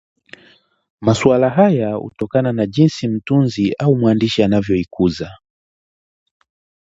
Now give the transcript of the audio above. Masuala haya hutokana na jinsi mtunzi au mwandishi anavyoikuza